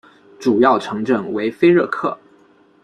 主要城镇为菲热克。